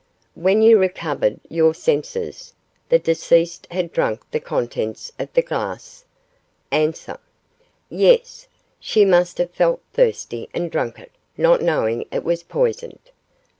When you recovered your senses, the deceased had drank the contents of the glass? A. Yes. She must have felt thirsty and drank it, not knowing it was poisoned.